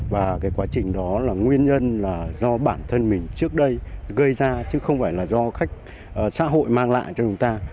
và cái quá trình đó là nguyên nhân là do bản thân mình trước đây gây ra chứ không phải là do khách xã hội mang lại cho chúng ta